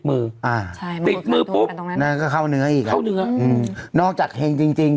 อ่าใช่ปิดมือปุ๊บนางก็เข้าเนื้ออีกเข้าเนื้ออืมนอกจากเฮงจริงจริง